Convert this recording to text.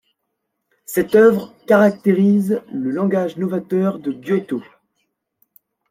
Cette œuvre caractérise le langage novateur de Giotto.